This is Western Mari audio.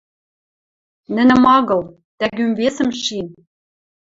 Нӹнӹм агыл, тӓгӱм весӹм шин.